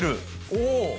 おお！